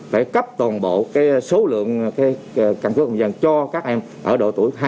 phải cấp toàn bộ số lượng căn cứ công dân cho các em ở độ tuổi hai nghìn bốn và hai nghìn bảy